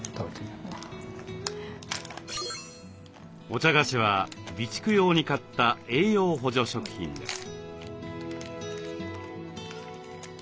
お茶菓子は備蓄用に買った栄養補助食品です。